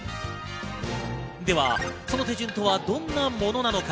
ではその手順とはどんなものなのか。